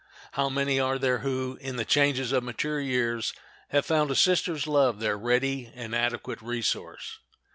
How many are there who, in the changes of mature years, have found a sister's love their ready and adequate resource!